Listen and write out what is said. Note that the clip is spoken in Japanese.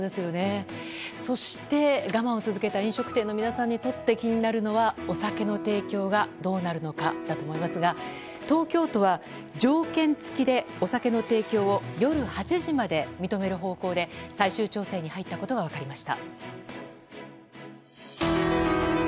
そして、我慢を続けた飲食店の皆さんにとって気になるのはお酒の提供がどうなるのかだと思いますが東京都は条件付きでお酒の提供を夜８時まで認める方向で最終調整に入ったことが分かりました。